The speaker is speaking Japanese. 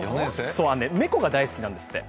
猫が大好きなんですって。